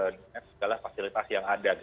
dengan segala fasilitas yang ada